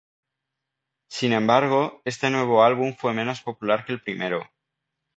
Sin embargo, este nuevo álbum fue menos popular que el primero.